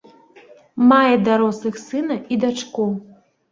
Мае дарослых сына і дачку.